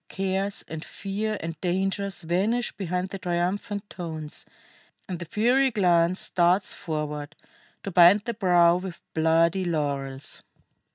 Cares and fear and dangers vanish behind the triumphant tones, and the fiery glance darts forward, to bind the brow with bloody laurels.